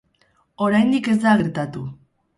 Oraindik ez da gertatu.